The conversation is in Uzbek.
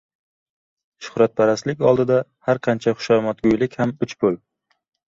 Shuhratparastlik oldida har qancha xushomadgo‘ylik ham uch pul.